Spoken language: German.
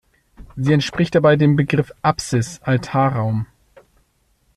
Sie entspricht dabei dem Begriff "Apsis" ‚Altarraum‘.